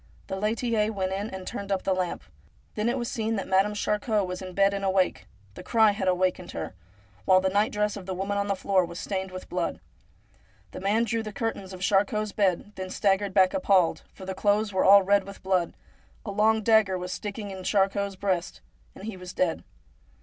The laitier went in and turned up the lamp. Then it was seen that Madame Charcot was in bed and awake — the cry had awakened her — while the night dress of the woman on the floor was stained with blood. The man drew the cur tains of Charcot's bed, then staggered back appalled, for the clothes were all red with blood, a long dagger was sticking in Charcot's breast, and he was dead.